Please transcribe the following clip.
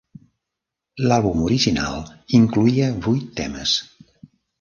L'àlbum original incloïa vuit temes.